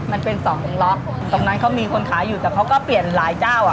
มันเป็นสองล็อกตรงนั้นเขามีคนขายอยู่แต่เขาก็เปลี่ยนหลายเจ้าอ่ะ